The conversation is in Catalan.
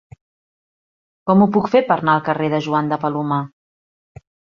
Com ho puc fer per anar al carrer de Joan de Palomar?